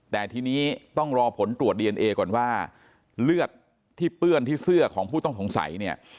แต่ทีนี้ต้องรอผลตรวจดีเอนเอก่อนว่าเลือดที่เปื้อนที่เสื้อของผู้ต้องสงสัยเนี่ย